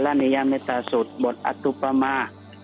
กรรณิยะเมตตาสุดบทอัตตุปม่า